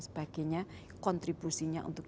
sebagainya kontribusinya untuk